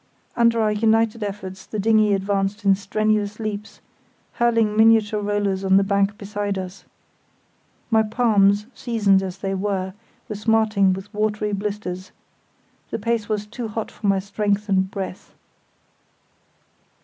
Under our united efforts the dinghy advanced in strenuous leaps, hurling miniature rollers on the bank beside us. My palms, seasoned as they were, were smarting with watery blisters. The pace was too hot for my strength and breath.